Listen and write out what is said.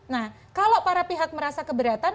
nah kalau para pihak merasa keberatan